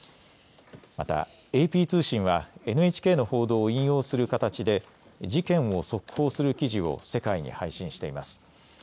また、ＡＰ通信はＮＨＫの報道を引用する形で事件を速報する記事を世界に配信しています。